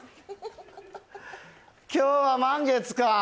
今日は満月か。